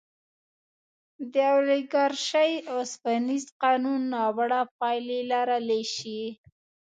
د اولیګارشۍ اوسپنیز قانون ناوړه پایلې لرلی شي.